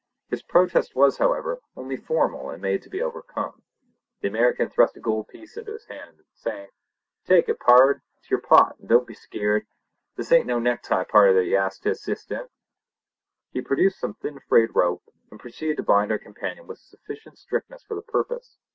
His protest was, however, only formal and made to be overcome. The American thrust a gold piece into his hand, saying: "Take it, pard! it's your pot; and don't be skeer'd. This ain't no necktie party that you're asked to assist in!" He produced some thin frayed rope and proceeded to bind our companion with sufficient strictness for the purpose.